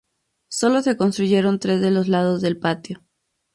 Sólo se construyeron tres de los lados del patio.